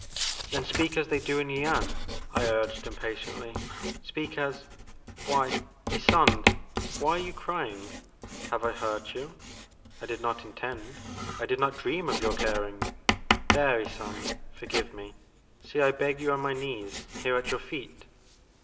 •* Then speak as they do in Yian," I urged im patiently, " speak as — why, Ysonde 1 why are you crying ? Have I hurt you ?— I did not in tend, — I did not dream of your caring 1 There Ysonde, forgive me, — see, I beg you on my knees here at your feet."